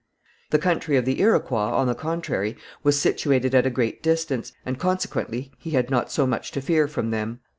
The country of the Iroquois, on the contrary, was situated at a great distance, and consequently he had not so much to fear from them.